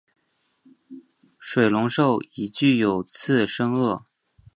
水龙兽已具有次生腭。